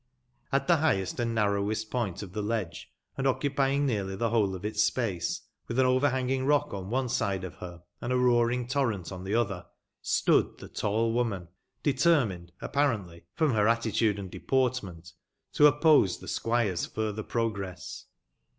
At tbe bigbest and narrowest point of tbe ledge, and ooeupy ing nearly tbe wbole of its space, witb an overbanging rock on one side of ber, and a roaring torrent on tbe otber, stood tbe tall woman, determined apparently, from ber attitude and de portment, to oppose tbe squire's furtber progress.